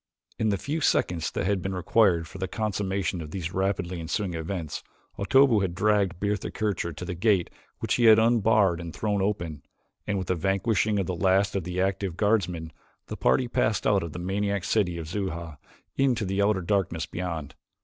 In the few seconds that had been required for the consummation of these rapidly ensuing events, Otobu had dragged Bertha Kircher to the gate which he had unbarred and thrown open, and with the vanquishing of the last of the active guardsmen, the party passed out of the maniac city of Xuja into the outer darkness beyond.